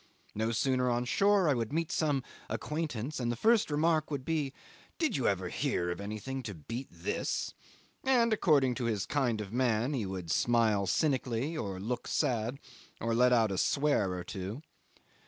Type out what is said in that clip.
No sooner on shore I would meet some acquaintance, and the first remark would be, "Did you ever hear of anything to beat this?" and according to his kind the man would smile cynically, or look sad, or let out a swear or two.